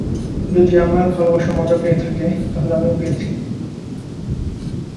যদি আমার ভালবাসা মজা পেয়ে থাকে, তাহলে আমিও পেয়েছি।